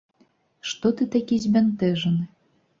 Што ты такі збянтэжаны?